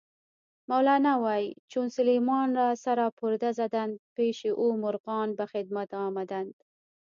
مولانا وایي: "چون سلیمان را سرا پرده زدند، پیشِ او مرغان به خدمت آمدند".